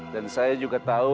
dan saya juga tahu